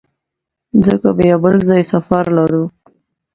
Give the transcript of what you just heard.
ځکه بیا بل ځای سفر لرو.